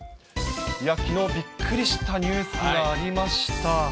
きのう、びっくりしたニュースがありました。